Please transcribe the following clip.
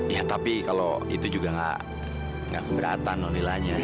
ya tapi kalau itu juga nggak nggak keberatan nonilanya